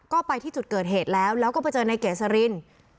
ก็ไปที่จุดเกิดเหตุแล้วแล้วก็ไปเจอในเกษริน